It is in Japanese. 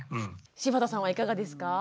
柴田さんはいかがですか？